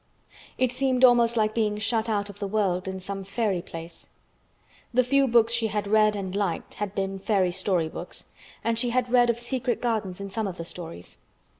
It seemed almost like being shut out of the world in some fairy place. The few books she had read and liked had been fairy story books, and she had read of secret gardens in some of the stories.